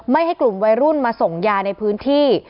ให้กลุ่มวัยรุ่นมาส่งยาในพื้นที่